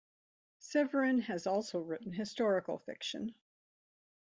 Severin has also written historical fiction.